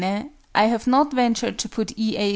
I have not ventured to put E. A.'